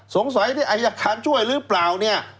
สงสัยนี่อายการช่วยหรือเปล่า